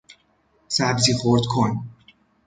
سبزی خرد کن